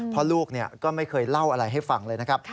เพราะลูกก็ไม่เคยเล่าอะไรให้ฟังเลยนะครับ